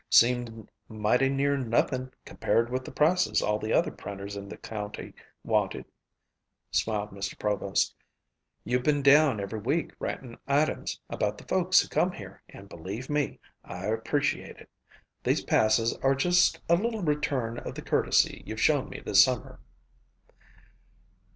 "Seemed mighty near nothin' compared with the prices all the other printers in the county wanted," smiled Mr. Provost. "You've been down every week writin' items about the folks who come here and, believe me, I appreciate it. These passes are just a little return of the courtesy you've shown me this summer."